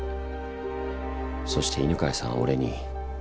そして犬飼さんは俺に。